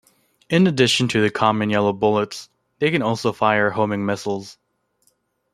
In addition to the common yellow bullets, they can also fire homing missiles.